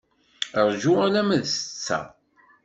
Rju alamma d ssetta.